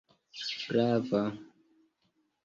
flava